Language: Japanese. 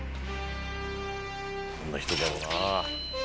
どんな人だろうな？